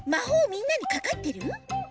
ほうみんなにかかってる？